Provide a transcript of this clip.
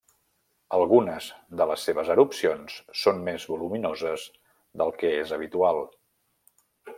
Algunes de les seves erupcions són més voluminoses del que és habitual.